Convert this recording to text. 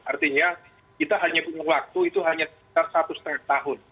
artinya kita hanya punya waktu itu hanya sekitar satu lima tahun